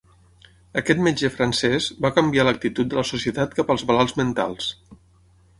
Aquest metge francès va canviar l'actitud de la societat cap als malalts mentals.